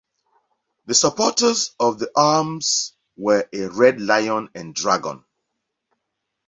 The supporters of the arms were a red lion and dragon.